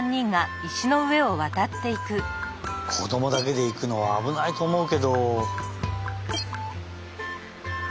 こどもだけでいくのはあぶないとおもうけど。